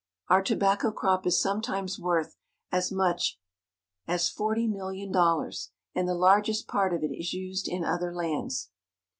Our tobacco crop is sometimes worth as much as I06 VIRGINIA. forty million dollars, and the largest part of it is used in other lands.